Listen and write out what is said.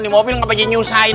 mesinnya kali mesin mesin